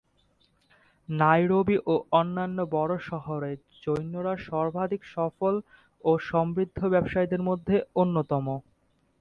Nairobi ও অন্যান্য বড়ো শহরে জৈনরা সর্বাধিক সফল ও সমৃদ্ধ ব্যবসায়ীদের মধ্যে অন্যতম।